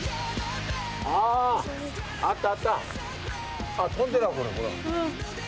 あったあった、飛んでるわ、ほら。